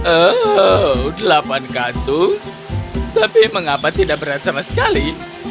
oh delapan kantung tapi mengapa tidak berat sama sekali